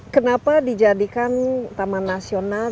kenapa dijadikan taman nasional